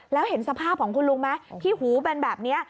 แล้วเห็นสภาพของคุณลุงไหมที่หูเป็นแบบนี้